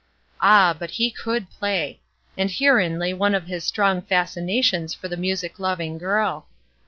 Ah, but he could play! and herein lay one of his strong fascinations for the music loving girl.